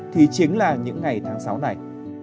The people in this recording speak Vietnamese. thì chính là những ngày tháng sáu này